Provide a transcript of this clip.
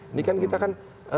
ini kan kita kan